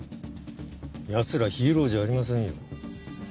やつらヒーローじゃありませんよ